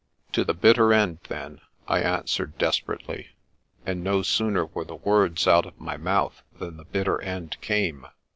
" To the bitter end, then," I answered desper ately; and no sooner were the words out of my mouth than the bitter end came.